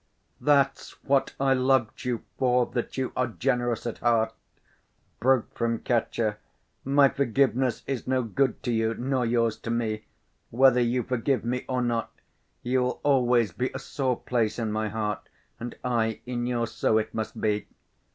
"That's what I loved you for, that you are generous at heart!" broke from Katya. "My forgiveness is no good to you, nor yours to me; whether you forgive me or not, you will always be a sore place in my heart, and I in yours—so it must be...."